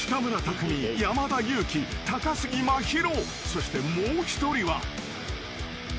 ［そしてもう一人は］